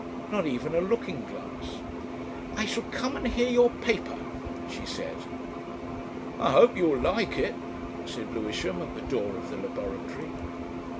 Not even a looking glass! "I shall come and hear your paper," she said. "I hope you will like it," said Lewisham at the door of the laboratory.